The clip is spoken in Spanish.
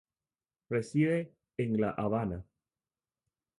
Reside en la Habana.